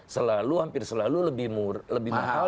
selalu hampir selalu lebih mahal